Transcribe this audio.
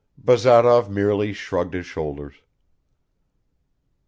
Bazarov merely shrugged his shoulders.